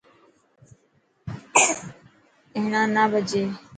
هيڻا نه پڇي.